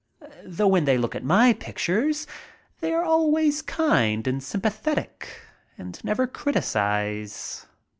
Though when they look at my pictures they are always kind and sympathetic and never criticize.